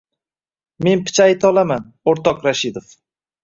— Men picha ayta olaman, o‘rtoq Rashidov.